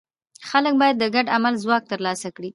خلک باید د ګډ عمل ځواک ترلاسه کړي.